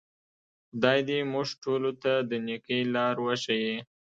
خدای دې موږ ټولو ته د نیکۍ لار وښیي.